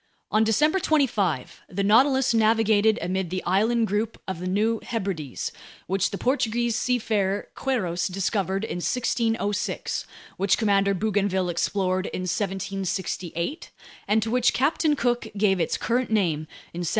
On December 25 the Nautilus navigated amid the island group of the New Hebrides, which the Portuguese seafarer Queirós discovered in 1606, which Commander Bougainville explored in 1768, and to which Captain Cook gave its current name in 1773.